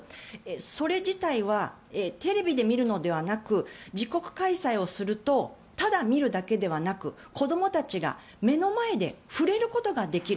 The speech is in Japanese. それ自体は、テレビで見るのではなく自国開催をするとただ見るだけではなく子どもたちが目の前で触れることができる。